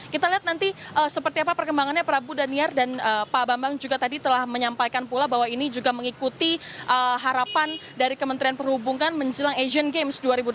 kita lihat nanti seperti apa perkembangannya prabu daniar dan pak bambang juga tadi telah menyampaikan pula bahwa ini juga mengikuti harapan dari kementerian perhubungan menjelang asian games dua ribu delapan belas